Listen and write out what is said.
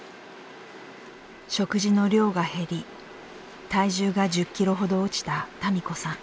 食事の量が減り体重が１０ｋｇほど落ちた多美子さん。